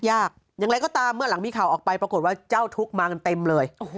ยากอย่างไรก็ตามเมื่อหลังมีข่าวออกไปปรากฏว่าเจ้าทุกข์มากันเต็มเลย